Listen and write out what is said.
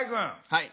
はい。